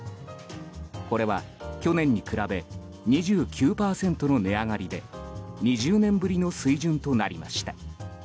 これは去年に比べ２９％の値上がりで２０年ぶりの水準となりました。